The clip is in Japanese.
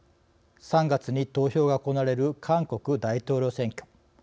３月に投票が行われる韓国大統領選挙。